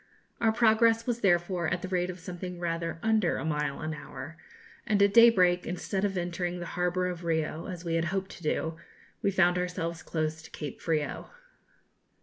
Our progress was therefore at the rate of something rather under a mile an hour, and at daybreak, instead of entering the harbour of Rio, as we had hoped to do, we found ourselves close to Cape Frio.